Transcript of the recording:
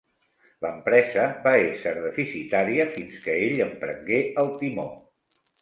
L'empresa va ésser deficitària fins que ell en prengué el timó.